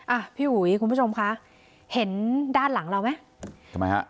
อ่ะพี่อุ๋ยคุณผู้ชมคะเห็นด้านหลังเราไหมทำไมฮะ